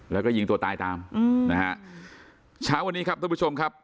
แล้วก็ยิงตัวตายตามอืมนะฮะเช้าวันนี้ครับท่านผู้ชมครับ